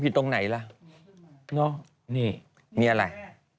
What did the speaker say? นี่พอนี้มีข่าวเลย